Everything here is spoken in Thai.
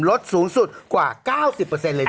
ลดสูงสุดกว่า๙๐เลยทีเดียว